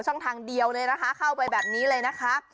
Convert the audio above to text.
ช่องทางเดียวเลยนะคะเข้าไปแบบนี้เลยนะคะ